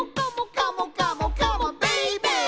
「カモカモカモ」「ベイベー」